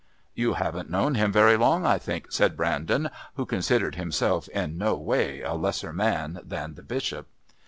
"You haven't known him very long, I think," said Brandon, who considered himself in no way a lesser man than the Bishop.